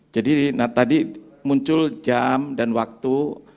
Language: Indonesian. jadi tadi muncul jam dan waktu